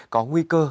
có nguy cơ